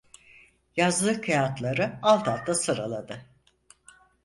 Yazdığı kâğıtları alt alta sıraladı.